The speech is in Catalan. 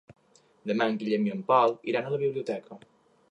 Demà en Guillem i en Pol iran a la biblioteca.